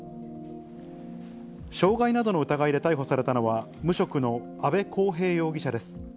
傷害などの疑いで逮捕されたのは、無職の阿部光平容疑者です。